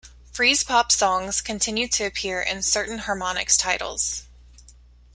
Freezepop songs continue to appear in certain Harmonix titles.